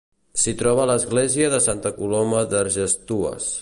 S'hi troba l'església de Santa Coloma d'Argestues.